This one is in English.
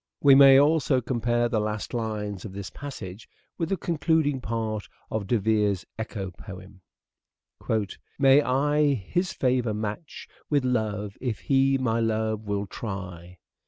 We may also compare the last lines of this passage with the concluding part of De Vere's Echo poem :" May I his favour match with love if he my love will try?